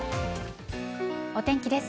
お天気です。